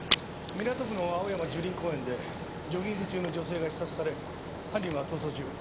港区の青山樹林公園でジョギング中の女性が刺殺され犯人は逃走中。